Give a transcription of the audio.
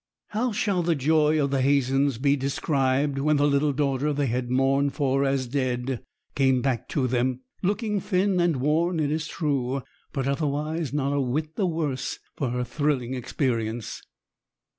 How shall the joy of the Hazens be described when the little daughter they had mourned for as dead came back to them, looking thin and worn, it is true, but otherwise not a whit the worse for her thrilling experience!